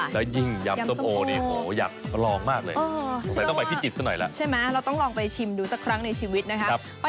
เรียบร้อยแล้วนะคะยำส้มโอสูตรโบราณค่ะ